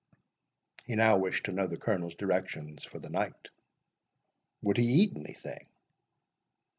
He now wished to know the Colonel's directions for the night. "Would he eat anything?"